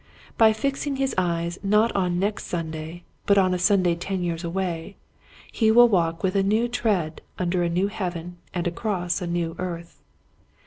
By fixing his eyes not on next Sunday but on a Sun day ten years away, he will walk with a new tread under a new heaven and across a new earth.